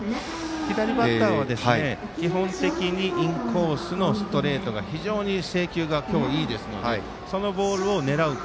左バッターは基本的にインコースのストレートが非常に制球が今日、いいのでそのボールを狙うか。